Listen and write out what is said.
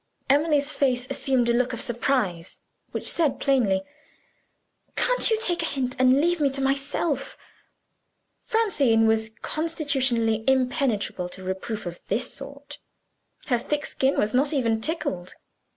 Emily's face assumed a look of surprise which said plainly, Can't you take a hint and leave me to myself? Francine was constitutionally impenetrable to reproof of this sort; her thick skin was not even tickled.